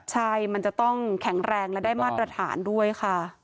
ใช่มันจะต้องแข็งแรงและได้มาตรฐานด้วยค่ะ